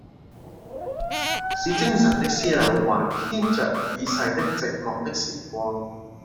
使精神的絲縷還牽著已逝的寂寞的時光，